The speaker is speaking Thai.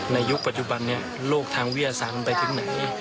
ในยุคปัจจุบันนี้โลกทางเวียสังไปถึงไหน